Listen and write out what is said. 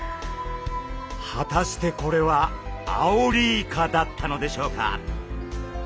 果たしてこれはアオリイカだったのでしょうか。